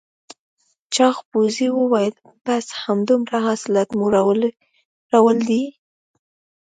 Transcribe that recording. چاغ پوځي وویل بس همدومره حاصلات مو راوړل دي؟